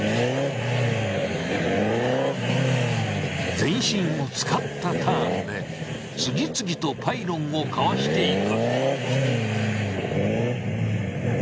全身を使ったターンで次々とパイロンをかわしていく。